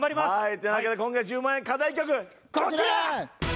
ってなわけで今回１０万円課題曲こちら！